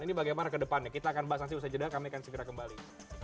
ini bagaimana ke depannya kita akan bahas nanti usaha jeda kami akan segera kembali